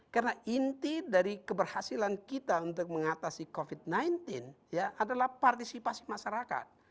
karena inti dari keberhasilan kita untuk mengatasi covid sembilan belas adalah partisipasi masyarakat